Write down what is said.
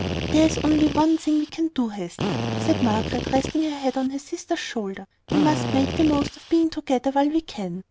"There is only one thing we can do, Hester," said Margaret, resting her head on her sister's shoulder. "We must make the most of being together while we can.